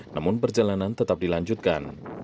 namun perjalanan tetap dilanjutkan